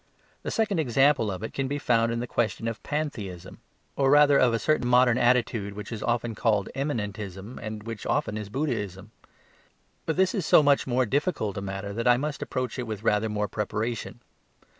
The second example of it can be found in the question of pantheism or rather of a certain modern attitude which is often called immanentism, and which often is Buddhism. But this is so much more difficult a matter that I must approach it with rather more preparation.